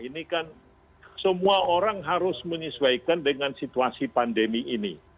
ini kan semua orang harus menyesuaikan dengan situasi pandemi ini